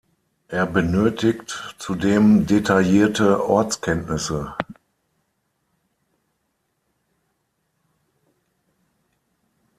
Er benötigt zudem detaillierte Ortskenntnisse.